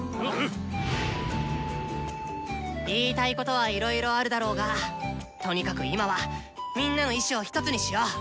言いたいことはいろいろあるだろうがとにかく今はみんなの意思をひとつにしよう。